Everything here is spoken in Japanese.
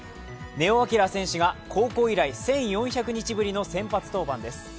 根尾昂選手が高校以来１４００日ぶりの先発登板です。